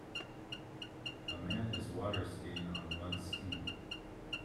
A man is waterskiing on one ski.